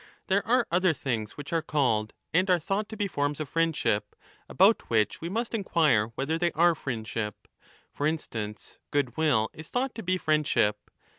There are other things which are called and are thought 4° to be forms of friendship, about which we must inquire 1212^ whether they are friendship. For instance, goodwill is thought to be friendship.